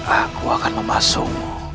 aku akan memasukmu